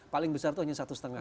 paling besar itu hanya satu lima